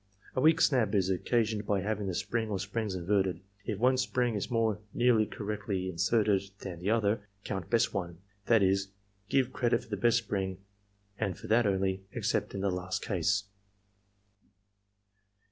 A "weak snap" is occasioned by having the spring or springs inverted. If one spring is more nearly correctly inserted than the other, coimt best one; that is, give credit for the best spring, and for that only, except in the last case.